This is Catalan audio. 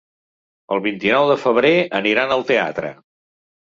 El vint-i-nou de febrer aniran al teatre.